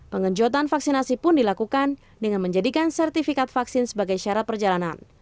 pengenjotan vaksinasi pun dilakukan dengan menjadikan sertifikat vaksin sebagai syarat perjalanan